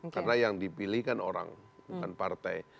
karena yang dipilih kan orang bukan partai